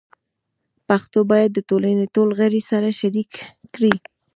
پښتو باید د ټولنې ټول غړي سره شریک کړي.